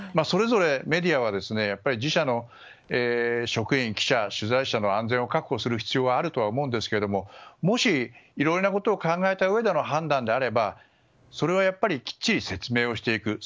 それぞれメディアは自社の職員、記者、取材者の安全を確保する必要はあると思うんですがもし、いろいろなことを考えたうえでの判断であればそれはやっぱりきっちり説明をしていく。